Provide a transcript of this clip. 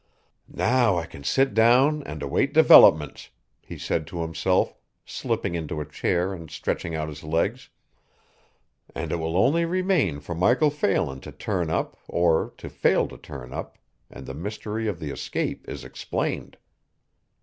"Now I can sit down and await developments," he said to himself, slipping into a chair and stretching out his legs, "and it will only remain for Michael Phelan to turn up or to fail to turn up and the mystery of the escape is explained.